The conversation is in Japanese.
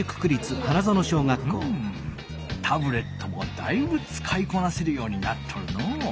うんタブレットもだいぶつかいこなせるようになっとるのう。